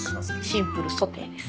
シンプルソテーです。